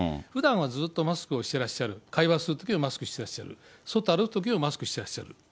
ふだんはずっとマスクをしてらっしゃる、会話するときはマスクしてらっしゃる、外歩くときもマスクしてらっしゃる。